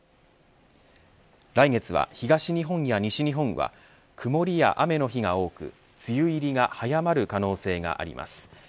来月は東日本や西日本は曇りや雨の日が多く梅雨入りが早まる可能性があります。